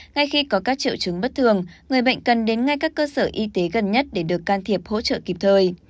ngay khi có các triệu chứng bất thường người bệnh cần đến ngay các cơ sở y tế gần nhất để được can thiệp hỗ trợ kịp thời